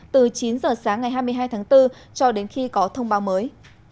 từ chín giờ sáng ngày hai mươi hai tháng bốn cho đến khi có thông báo mới